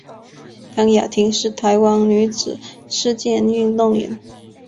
谭雅婷是台湾女子射箭运动员。